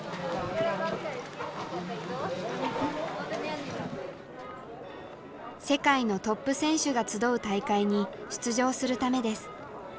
世界のトップ選手が集う大会に出場するためです。